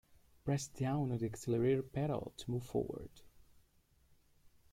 Press down on the accelerator pedal to move forward.